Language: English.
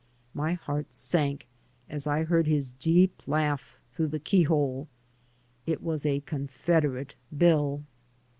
My heart sank as I heard his deep laugh through the keyhole. It was a Confederate bill.